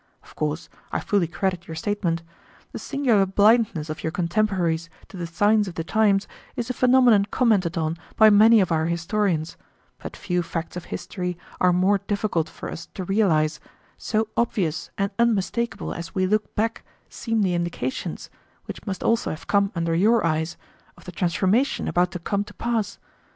Of course, I fully credit your statement. The singular blindness of your contemporaries to the signs of the times is a phenomenon commented on by many of our historians, but few facts of history are more difficult for us to realize, so obvious and unmistakable as we look back seem the indications, which must also have come under your eyes, of the transformation about to come to pass.